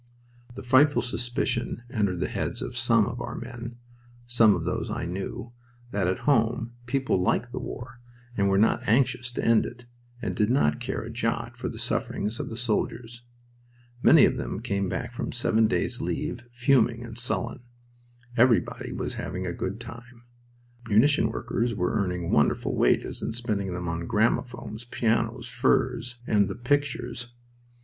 The frightful suspicion entered the heads of some of our men (some of those I knew) that at home people liked the war and were not anxious to end it, and did not care a jot for the sufferings of the soldiers. Many of them came back from seven days' leave fuming and sullen. Everybody was having a good time. Munition workers were earning wonderful wages and spending them on gramophones, pianos, furs, and the "pictures."